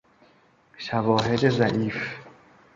شواهد ضعیف